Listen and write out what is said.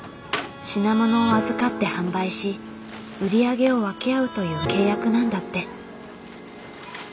品物を預かって販売し売り上げを分け合うという契約なんだって。